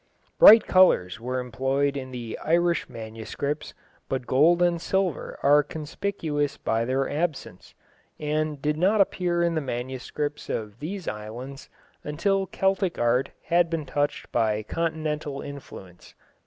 Bright colours were employed in the Irish manuscripts, but gold and silver are conspicuous by their absence, and did not appear in the manuscripts of these islands until Celtic art had been touched by continental influence.